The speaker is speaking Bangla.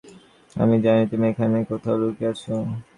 আমি জানি তুমি এখানেই কোথাও লুকিয়ে আছো।